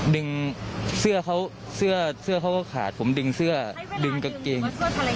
ดึงเสื้อเขาเสื้อเสื้อเขาก็ขาดผมดึงเสื้อดึงกางเกง